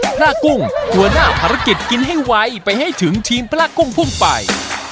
พระกุ้งหัวหน้าภารกิจกินให้ไวไปให้ถึงทีมพระกุ้งพุ่งไป